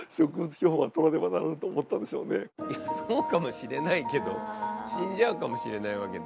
そうかもしれないけど死んじゃうかもしれないわけで。